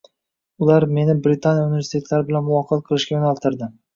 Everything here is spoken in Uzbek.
Ular meni Britaniya universitetlari bilan muloqot qilishga yoʻnaltirdi.